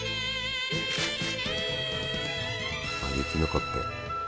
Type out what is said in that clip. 雪残ってる。